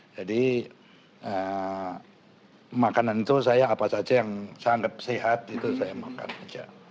jadi makanan itu saya apa saja yang sangat sehat itu saya makan aja